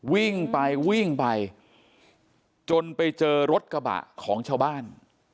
วิ่งไปวิ่งไปจนไปเจอรถกระบะของชาวบ้าน